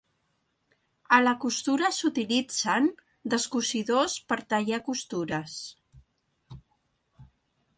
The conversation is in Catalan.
A la costura s'utilitzen descosidors per tallar costures.